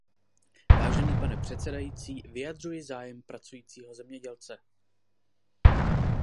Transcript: Vážený pane předsedající, vyjadřuji zájem pracujícího zemědělce.